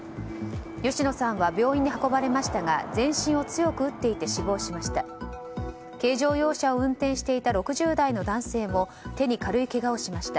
吉野さんは病院に運ばれましたが全身を強く打っていて死亡しました。